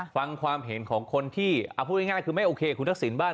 ฟังความเห็นของคนที่เอาพูดง่ายคือไม่โอเคคุณทักษิณบ้าน